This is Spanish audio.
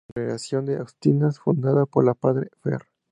Congregación de agustinas, fundada por el Padre Fr.